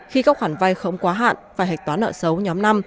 khi các khoản vay không quá hạn phải hạch toán nợ xấu nhóm năm